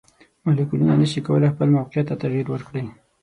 مالیکولونه نشي کولی خپل موقیعت ته تغیر ورکړي.